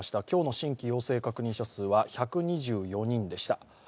今日の新規陽性確認者数は１２４人でした。